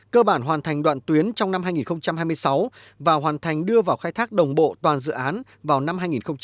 cơ bản hoàn thành đoạn tuyến trong năm hai nghìn hai mươi sáu và hoàn thành đưa vào khai thác đồng bộ toàn dự án vào năm hai nghìn hai mươi năm